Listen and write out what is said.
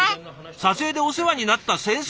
撮影でお世話になった先生